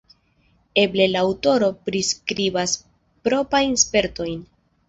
Eble la aŭtoro priskribas proprajn spertojn.